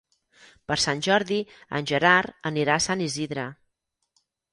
Per Sant Jordi en Gerard anirà a Sant Isidre.